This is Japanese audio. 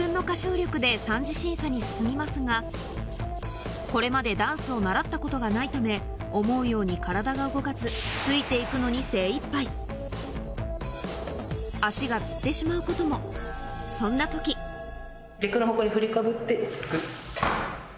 進みますがこれまでダンスを習ったことがないため思うように体が動かずついて行くのに精いっぱい足がつってしまうこともそんな時グッて。